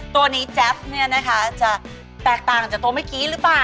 ตัวนี้แจ๊บเนี่ยนะคะจะแตกต่างจากตัวเมื่อกี้หรือเปล่า